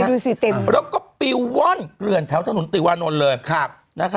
แล้วก็ปีว้นเหลือกลื่นแถวถนนติวาะโนลยน